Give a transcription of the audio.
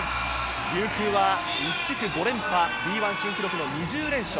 琉球は西地区５連覇、Ｂ１新記録の２０連勝。